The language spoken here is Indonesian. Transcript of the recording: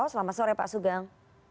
selamat sore pak sugeng